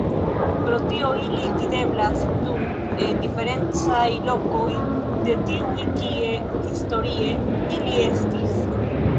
Pro tio ili videblas nun en diferencaj lokoj de tiuj kie historie ili estis.